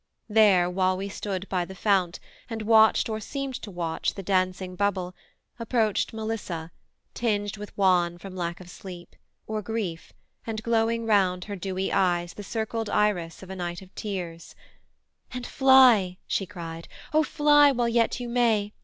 There while we stood beside the fount, and watched Or seemed to watch the dancing bubble, approached Melissa, tinged with wan from lack of sleep, Or grief, and glowing round her dewy eyes The circled Iris of a night of tears; 'And fly,' she cried, 'O fly, while yet you may!